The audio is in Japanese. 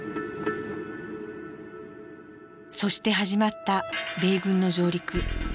そして始まった米軍の上陸。